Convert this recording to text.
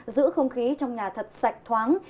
giữ không khí trong nhà thật sạch thoáng